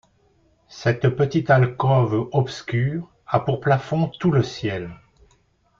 Cette petite alcôve obscure a pour plafond tout le ciel.